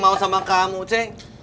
mau sama kamu ceng